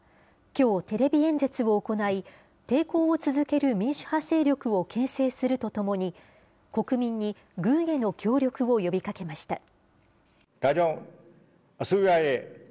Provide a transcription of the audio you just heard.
きょう、テレビ演説を行い、抵抗を続ける民主派勢力をけん制するとともに、国民に軍への協力を呼びかけました。